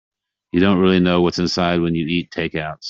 You don't really know what's inside when you eat takeouts.